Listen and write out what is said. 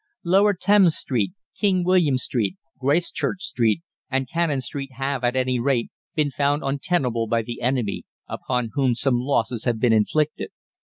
Lower Thames Street, King William Street, Gracechurch Street, and Cannon Street have at any rate, been found untenable by the enemy, upon whom some losses have been inflicted.